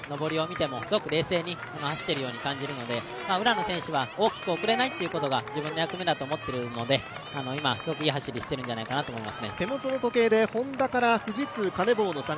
浦野選手も箱根駅伝５区を経験していますし今、上りを見てもすごく冷静に走っているように感じるので浦野選手は大きく遅れないということが自分の役目だと思っているので今、すごくいい走りをしているんじゃないかと思います。